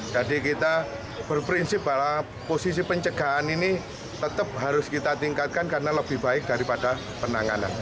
jadi kita berprinsip bahwa posisi pencegahan ini tetap harus kita tingkatkan karena lebih baik daripada penanganan